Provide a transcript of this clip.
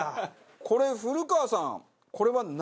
これ古川さん。